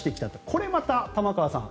これまた玉川さん